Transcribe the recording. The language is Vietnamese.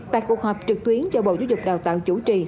tại cuộc họp trực tuyến do bộ giáo dục đào tạo chủ trì